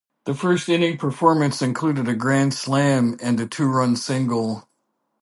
That first inning performance included a grand slam and a two-run single.